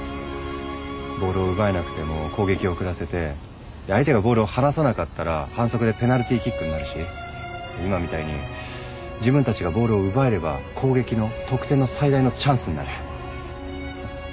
ボールを奪えなくても攻撃遅らせて相手がボールを離さなかったら反則でペナルティーキックになるし今みたいに自分たちがボールを奪えれば攻撃の得点の最大のチャンスになる。